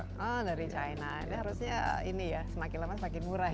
oh dari china ini harusnya ini ya semakin lama semakin murah ya